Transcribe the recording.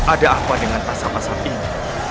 ada apa dengan rasa rasam ini